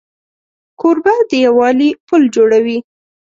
کوربه د یووالي پل جوړوي.